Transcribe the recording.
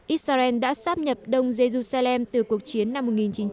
israel đã sáp nhập đông jerusalem từ cuộc chiến năm một nghìn chín trăm sáu mươi bảy